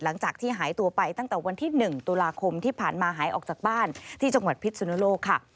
หลังจากที่หายตัวไปตั้งแต่วันที่๑ตุลาคมที่ผ่านมาหายออกจากบ้านที่จังหวัดพิษสุนโลกค่ะ